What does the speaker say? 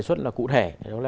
đề xuất là cụ thể